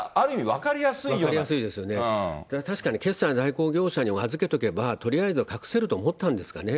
分かりやすいですよね、確かに、決済代行業者に預けとけばとりあえず隠せると思ったんですかね。